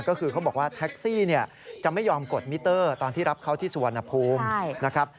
ก็คือเขาบอกว่าแท็กซี่จะไม่ยอมกดมิเตอร์ตอนที่รับเขาที่สุวรรณภูมินะครับ